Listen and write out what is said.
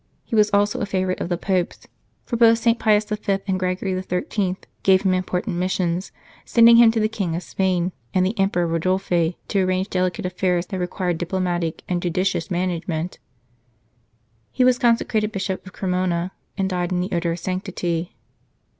He was also a favourite of the Popes, for both St. Pius V. and Gregory XIII. gave him important missions, sending him to the King of Spain and the Emperor Rodolphe to arrange delicate affairs that required diplomatic and judicious manage ment. He was consecrated Bishop of Cremona, and died in the odour of sanctity.